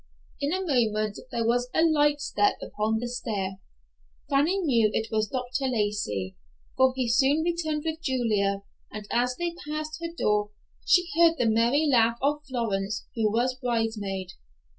In a moment there was a light step upon the stair. Fanny knew it was Dr. Lacey, for he soon returned with Julia, and as they passed her door she heard the merry laugh of Florence, who was bridesmaid.